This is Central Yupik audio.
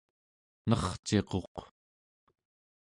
nerciquq